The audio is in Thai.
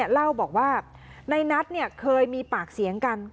เล่าบอกว่าในนัทเคยมีปากเสียงกัน